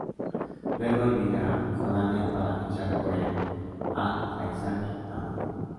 Luego emigra a Jordania para fichar por el Al-Faisaly Amman.